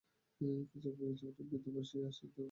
কিয়ৎক্ষণ পরে ভৃত্য আসিয়া নিবেদন করিল, রঘুপতি আসিয়াছেন।